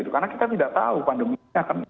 karena kita tidak tahu pandemi ini akan